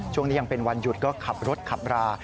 ช่วงนี้ยังเป็นวันหยุดก็ขับรถขับรา